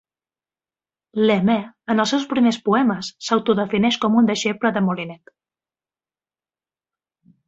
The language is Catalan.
Lemaire en els seus primers poemes s"auto-defineix com un deixeble de Molinet.